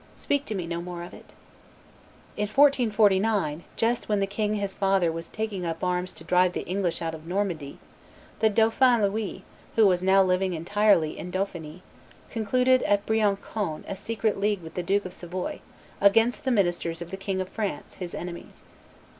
Speak to me no more of it!" In 1449, just when the king his father was taking up arms to drive the English out of Normandy, the dauphin Louis, who was now living entirely in Dauphiny, concluded at Briancon a secret league with the Duke of Savoy "against the ministers of the King of France, his enemies."